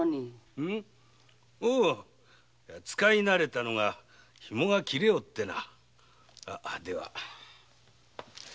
いや使い慣れたのが紐が切れおってな。